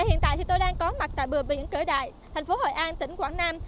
hiện tại tôi đang có mặt tại bừa biển cỡ đại thành phố hội an tỉnh quảng nam